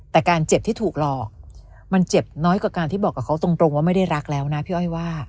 แต่การเจ็บที่ถูกหลอกมันเจ็บน้อยกว่าการที่บอกกับเขาตรงว่าไม่ได้รักแล้วนะพี่อ้อยว่า